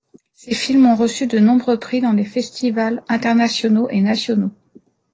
Ses films ont reçu de nombreux prix dans des festivals internationaux et nationaux.